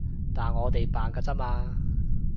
但我哋扮㗎咋嘛